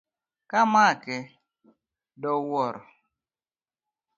Kamake do wuoro.